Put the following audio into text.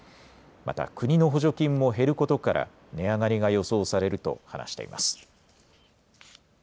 また、国の補助金も減ることから、値上がりが予想されると話しています。